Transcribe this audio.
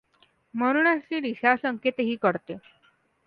म्हणूनच ती दिशासंकेतही करते.